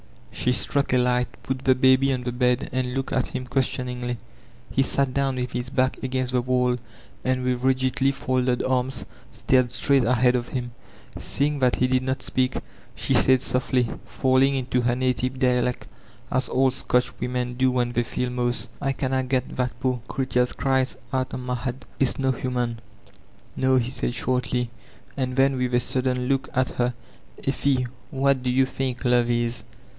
She struck a light, put the baby on the bed, and \o6ktA at him questioningly. He had sat down with his bock against the wall, and with rigidly folded arms stared straight ahead of him. Seeing that he did not speak, she said softly, falling into her native dialect, as all Scotch women do when they feel most: "I canna get thae poor creetyer's cries oot o' ma head. It's no human." "No/' he said shortly, and then with a sudden look at her, "Effie, what do you think love it?"